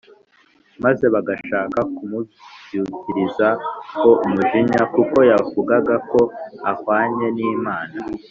maze bagashaka kumubyukirizaho umujinya kuko yavugaga ko ahwanye n’Imana